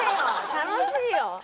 楽しいよ！